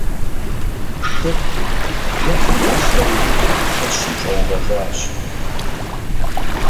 Шыр бжыхьым елъэри шэщым щӀэувэжащ.